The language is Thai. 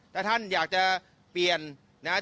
ถ้าท่านอยากจะเปลี่ยนนะครับ